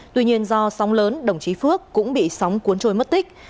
tuy nhiên do sóng lớn đồng chí phước cũng bị sóng cuốn trôi mất tích